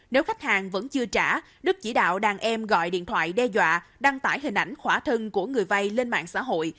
nếu khách hàng vẫn chưa trả đức chỉ đạo đàn em gọi điện thoại đe dọa đăng tải hình ảnh khỏa thân của người vay lên mạng xã hội